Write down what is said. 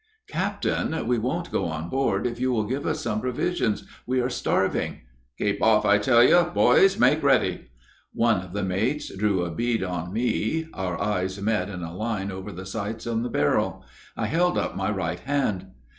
"Captain, we won't go on board if you will give us some provisions; we are starving." "Keep off, I tell you. Boys, make ready." One of the mates drew a bead on me; our eyes met in a line over the sights on the barrel. I held up my right hand.